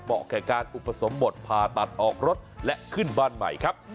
เหมาะแก่การอุปสรมหมดพาตัดออกรถและขึ้นบ้านใหม่ครับ